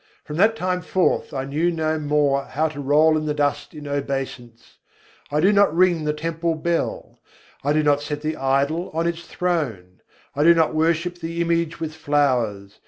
From that time forth I knew no more how to roll in the dust in obeisance: I do not ring the temple bell: I do not set the idol on its throne: I do not worship the image with flowers.